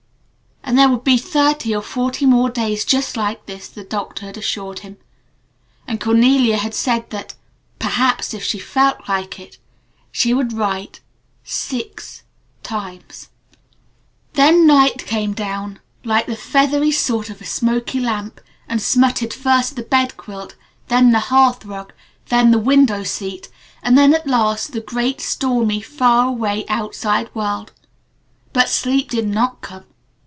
And there would be thirty or forty more days just like this the doctor had assured him; and Cornelia had said that perhaps, if she felt like it she would write six times. Then Night came down like the feathery soot of a smoky lamp, and smutted first the bedquilt, then the hearth rug, then the window seat, and then at last the great, stormy, faraway outside world. But sleep did not come.